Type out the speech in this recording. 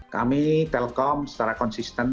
kami telkom secara konsisten